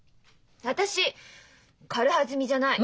私軽はずみじゃない！